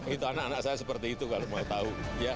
itu anak anak saya seperti itu kalau mau tahu